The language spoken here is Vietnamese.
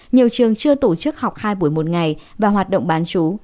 nhiều trường chưa tổ chức học hai buổi một ngày và hoạt động bán chú